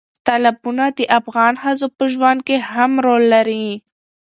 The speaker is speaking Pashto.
تالابونه د افغان ښځو په ژوند کې هم رول لري.